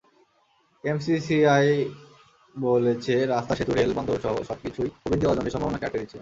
MCCI বলেছে, রাস্তা, সেতু, রেল, বন্দরসহ সবকিছুই প্রবৃদ্ধি অর্জনের সম্ভাবনাকে আটকে দিচ্ছে।